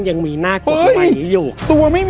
ยังมีหน้ากดอยู่